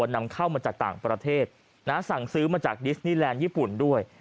นำเข้ามาจากต่างประเทศสั่งซื้อมาจากดิสนีแลนด์ญี่ปุ่นด้วย